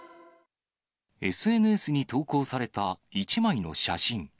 ＳＮＳに投稿された一枚の写真。